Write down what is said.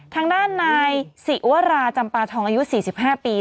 ทางด้านนายศิวราจำปาทองอายุ๔๕ปี